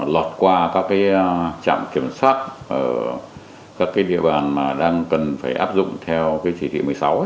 lọt qua các trạm kiểm soát các địa bàn mà đang cần phải áp dụng theo chỉ thị một mươi sáu